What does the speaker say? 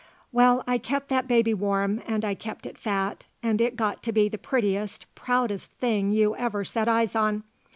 Well, I kept that baby warm and I kept it fat, and it got to be the prettiest, proudest thing you ever set eyes on.